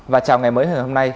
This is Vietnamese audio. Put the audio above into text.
và chào ngày mới hôm nay